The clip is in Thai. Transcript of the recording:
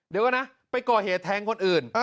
เดี๋ยวก่อนนะไปก่อเหตุแทงคนอื่น